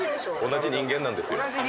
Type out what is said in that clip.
同じ人間なんですよ。